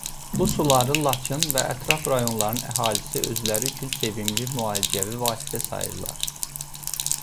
Bu suları Laçın və ətraf rayonların əhalisi özləri üçün sevimli müalicəvi vasitə sayırlar.